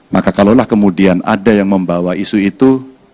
maka kalaulah kemudian ada yang membawa isu itu